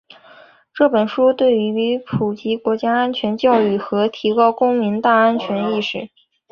本书对于普及国家安全教育和提高公民“大安全”意识